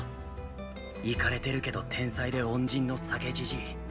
いかれてるけど天才で恩人の酒じじい。